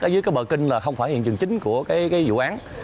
ở dưới cái bờ kinh là không phải hiện trường chính của cái vụ án